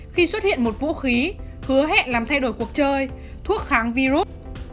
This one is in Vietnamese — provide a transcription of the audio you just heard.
khi xuất hiện một vũ khí hứa hẹn làm thay đổi cuộc chơi thuốc kháng virus